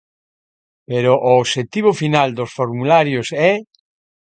Pero o obxectivo final dos formularios é...?